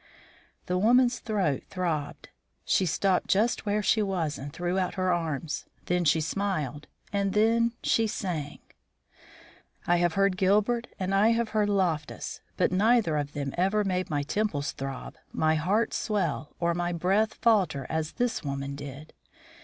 The woman's throat throbbed. She stopped just where she was and threw out her arms. Then she smiled and then she sang. I have heard Guilbert, I have heard Loftus, but neither of them ever made my temples throb, my heart swell, or my breath falter as this woman did.